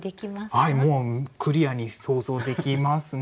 はいもうクリアに想像できますね。